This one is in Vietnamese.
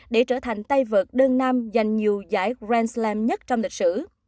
để trở thành tay vợt đơn nam dành nhiều giải grand slam nhất trong lịch sử